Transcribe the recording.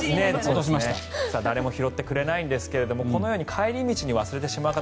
誰も拾ってくれないんですがこのように帰り道に忘れてしまう方